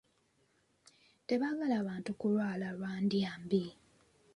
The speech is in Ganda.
Tebaagala bantu kulwala lwa ndyambi.